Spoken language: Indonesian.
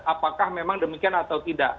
apakah memang demikian atau tidak